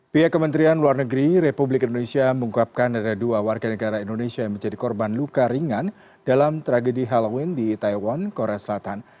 pihak kementerian luar negeri republik indonesia menguapkan ada dua warga negara indonesia yang menjadi korban luka ringan dalam tragedi halloween di taiwan korea selatan